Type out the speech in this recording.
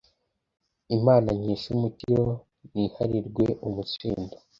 Imana nkesha umukiro niharirwe umutsindo